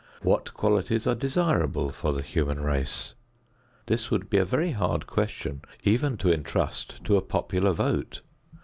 What qualities are desirable for the human race? This would be a very hard question even to entrust to a popular vote.